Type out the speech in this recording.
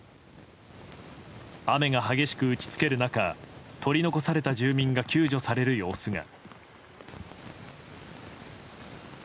雨が激しく打ち付ける中取り残された住民が救助される様子が。